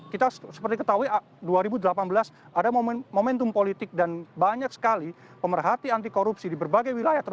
kita seperti ketahui dua ribu delapan belas ada momentum politik dan banyak sekali pemerhati anti korupsi di berbagai wilayah